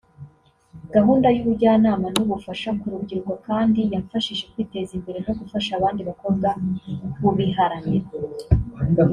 Gahunda y’ubujyanama n’ubufasha ku rubyiruko kandi yamfashije kwiteza imbere no gufasha abandi bakobwa kubiharanira